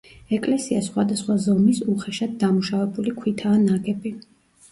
ეკლესია სხვადასხვა ზომის უხეშად დამუშავებული ქვითაა ნაგები.